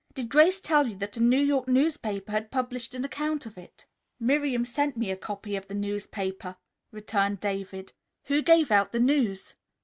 "Did Grace tell you that a New York newspaper had published an account of it?" "Miriam sent me a copy of the newspaper," returned David. "Who gave out the news?"